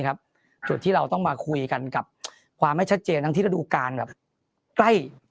ครับที่เราต้องมาคุยกันกับความไม่ชัดเจนที่ฤดูการแปรไกล